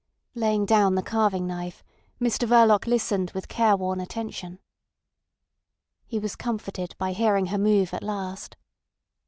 Laying down the carving knife, Mr Verloc listened with careworn attention. He was comforted by hearing her move at last.